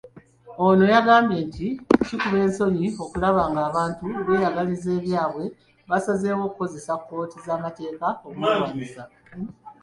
Ono yagambye nti kikuba ensonyi okulaba ng'abantu abeeyagaliza ebyabwe basazeewo okukozesa kkooti z'amateeka okumulwanyisa.